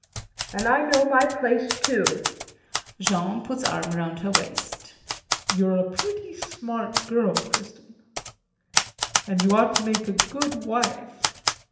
And I know my place too JEAN [Puts arm around her waist]. You're a pretty smart girl, Kristin, and you ought to make a good wife.